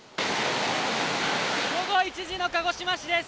午後１時の鹿児島市です。